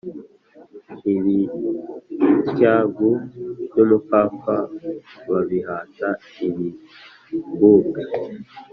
Ibitygu byumupfapfa babihata ibi book